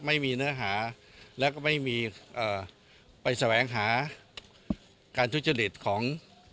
เนื้อหาแล้วก็ไม่มีเอ่อไปแสวงหาการทุจริตของ